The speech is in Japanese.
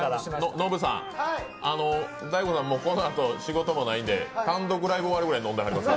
ノブさん、大悟さん、このあと仕事もないんで、単独ライブ終わりぐらい飲んではりました。